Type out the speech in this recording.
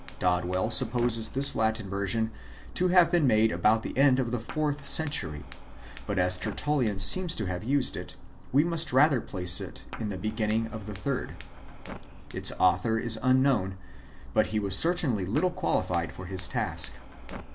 Dodwell supposes this Latin version to have been made about the end of the fourth cen tury ; but as TertuUian seems to have used it, we must rather place it in the beginning of the third. Its author is unknown, but he was certainly little qualified for his task.